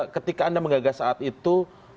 ketika anda menggagas saat itu